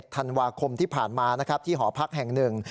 ธันวาคมที่ผ่านมานะครับที่หอพักแห่งหนึ่ง